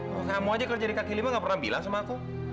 kamu aja kerja di kak kilimah nggak pernah bilang sama aku